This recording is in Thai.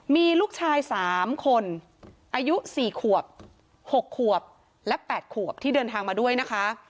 มีลูกชาย๓คนอายุ๔ขวบ๖ขวบและ๘ขวบที่เดินทางมาด้วยนะคะ